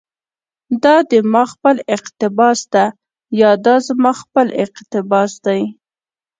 دا دي ما خپل اقتباس ده، يا دا زما خپل اقتباس دى